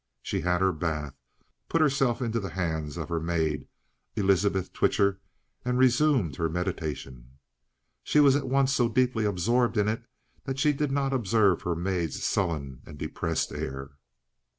She had her bath, put herself into the hands of her maid, Elizabeth Twitcher, and resumed her meditation. She was at once so deeply absorbed in it that she did not observe her maid's sullen and depressed air.